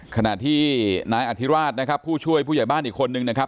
ขณะที่นายอธิราชนะครับผู้ช่วยผู้ใหญ่บ้านอีกคนนึงนะครับ